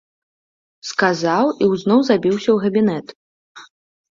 Сказаў і ўзноў забіўся ў габінэт.